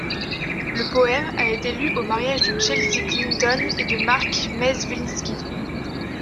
Le poème a été lu au mariage de Chelsea Clinton et de Marc Mezvinsky.